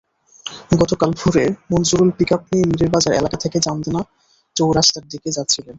গতকাল ভোরে মঞ্জুরুল পিকআপ নিয়ে মীরেরবাজার এলাকা থেকে চান্দনা চৌরাস্তার দিকে যাচ্ছিলেন।